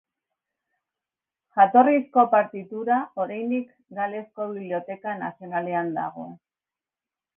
Jatorrizko partitura oraindik Galesko Biblioteka Nazionalean dago.